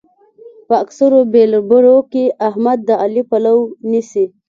په اکثرو بېلبرو کې احمد د علي پلو نيسي.